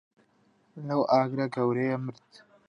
لەو ئاگرە گەورەیە مرد.